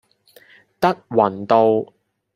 德雲道